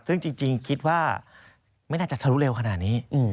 ซึ่งจริงคิดว่าไม่น่าจะทะลุเร็วขนาดนี้